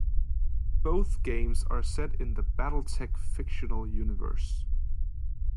Both games are set in the BattleTech fictional universe.